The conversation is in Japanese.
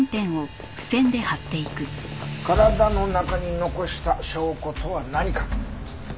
体の中に残した証拠とは何か？